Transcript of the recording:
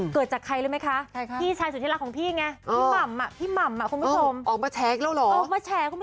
เกิดจากใครรู้ไหมคะพี่ชายสุดที่รักของพี่ไงพี่หม่ำพี่หม่ำคุณผู้ชม